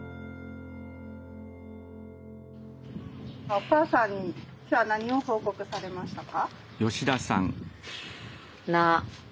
お母さんに今日は何を報告されましたか？